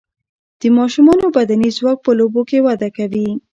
د ماشومان بدني ځواک په لوبو کې وده کوي.